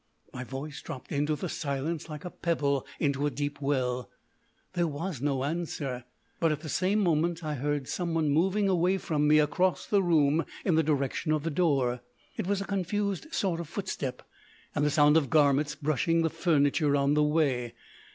My voice dropped into the silence like a pebble into a deep well. There was no answer, but at the same moment I heard someone moving away from me across the room in the direction of the door. It was a confused sort of footstep, and the sound of garments brushing the furniture on the way.